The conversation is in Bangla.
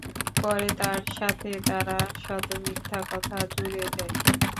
পরে তার সাথে তারা শত মিথ্যা কথা জুড়ে দেয়।